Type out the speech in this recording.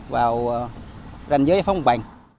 vào rành giới phong bằng